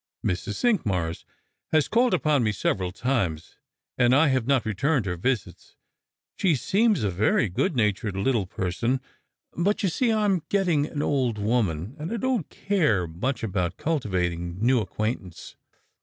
Mrs. Cinqmars has called upon me several times, and I have not returned her visits. She seems a very good natured little person; but, you see, I am getting an old woman, and don't care much about cultivating new acquaint ance."